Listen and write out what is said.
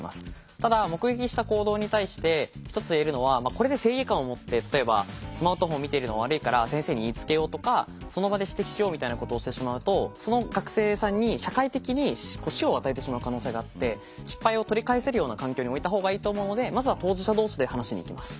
ただ目撃した行動に対して一つ言えるのはこれで正義感を持って例えばスマートフォンを見ているのは悪いから先生に言いつけようとかその場で指摘しようみたいなことをしてしまうとその学生さんに社会的に支障を与えてしまう可能性があって失敗を取り返せるような環境に置いた方がいいと思うのでまずは当事者同士で話しに行きます。